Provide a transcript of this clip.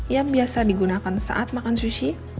yang biasa digunakan saat makan sushi